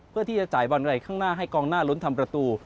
เพื่อที่จะจ่ายบอลอะไรข้างหน้าให้กองหน้าลุ้นทำประตู